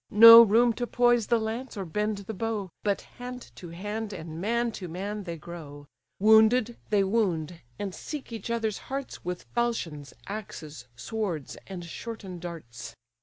No room to poise the lance or bend the bow; But hand to hand, and man to man, they grow: Wounded, they wound; and seek each other's hearts With falchions, axes, swords, and shorten'd darts.